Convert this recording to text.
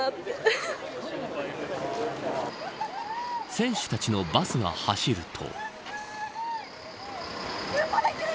選手たちのバスが走ると。